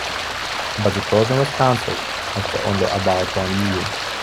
But the program was cancelled after only about one year.